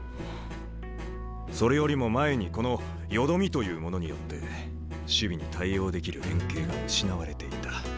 それよりも前にこのよどみというものによって守備に対応できる連係が失われていた。